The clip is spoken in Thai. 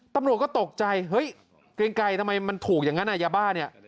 ตำรวจก็ตกใจเกรียงไกรทำไมมันถูกอย่างนั้น